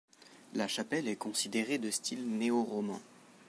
La chapelle est considérée de style néo-roman.